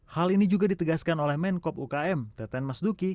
hal ini juga ditegaskan oleh menkop ukm teten mas duki